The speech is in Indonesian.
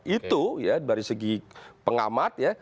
itu ya dari segi pengamat ya